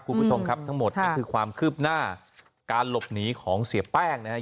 คุณผู้ชมครับทั้งหมดนี่คือความคืบหน้าการหลบหนีของเสียแป้งนะครับ